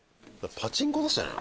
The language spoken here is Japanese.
パチンコ雑誌じゃない？